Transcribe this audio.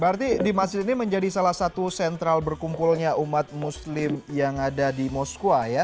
berarti di masjid ini menjadi salah satu sentral berkumpulnya umat muslim yang ada di moskwa ya